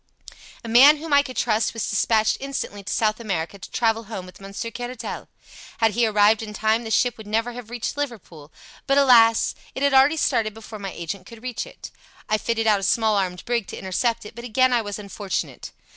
"A man whom I could trust was dispatched instantly to South America to travel home with Monsieur Caratal. Had he arrived in time the ship would never have reached Liverpool; but alas! it had already started before my agent could reach it. I fitted out a small armed brig to intercept it, but again I was unfortunate.